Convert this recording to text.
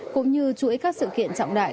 cũng như chuỗi các sự kiện trọng đại